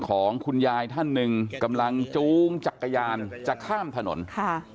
ของคุณยายท่านหนึ่งกำลังจูงจักรยานจะข้ามถนนค่ะ